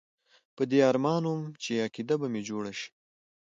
په دې ارمان وم چې عقیده به مې جوړه شي.